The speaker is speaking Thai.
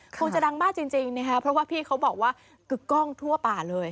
คงจะดังมากจริงนะครับเพราะว่าพี่เขาบอกว่ากึกกล้องทั่วป่าเลย